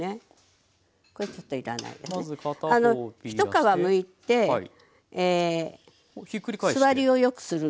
一皮むいて据わりをよくするの。